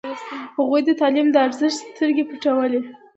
هغوی د تعلیم د ارزښت سترګې پټولې.